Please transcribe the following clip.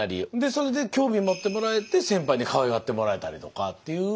それで興味持ってもらえて先輩にかわいがってもらえたりとかっていう。